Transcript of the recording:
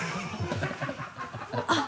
あっ。